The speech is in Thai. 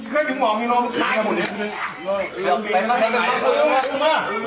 ไหนมันกรี๊งปั้น